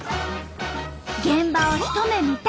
現場をひと目見たい！